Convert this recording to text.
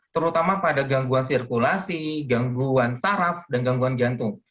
terutama pada gangguan sirkulasi gangguan saraf dan gangguan jantung